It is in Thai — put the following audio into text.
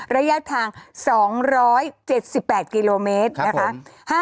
ระยะทาง๒๗๘กิโลเมตรนะคะ